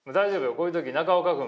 こういう時中岡くん